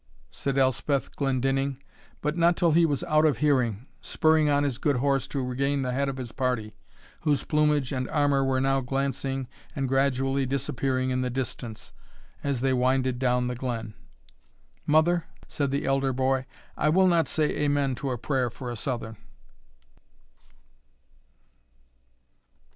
said Elspeth Glendinning, but not till he was out of hearing, spurring on his good horse to regain the head of his party, whose plumage and armour were now glancing and gradually disappearing in the distance, as they winded down the glen. "Mother," said the elder boy, "I will not say amen to a prayer for a Southern."